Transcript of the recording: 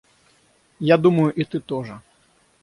Я думаю, и ты тоже.